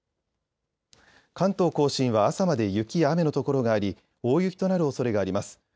甲信は朝まで雪や雨の所があり、大雪となるおそれがあります。